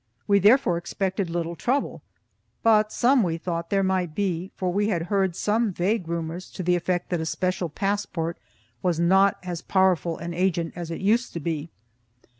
We therefore expected little trouble, but some we thought there might be, for we had heard some vague rumors to the effect that a special passport was not as powerful an agent as it used to be.